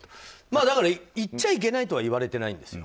だから言っちゃいけないとは言われてないんですよ。